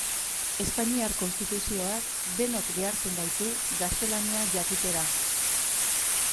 Espainiar Konstituzioak denok behartzen gaitu gaztelania jakitera.